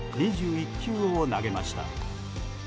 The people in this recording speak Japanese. ２１球を投げました。